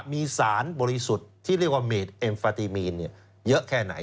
มีสารบริสุทธิ์ที่เรียกว่าเมดเอ็มฟาติมีนเยอะแค่ไหน